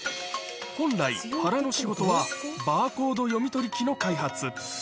本来、原の仕事はバーコード読み取り機の開発。